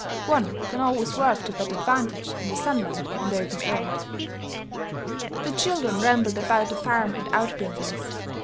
One can always work to better advantage in the sunlight and open air. The children rambled about the farm and outbuildings.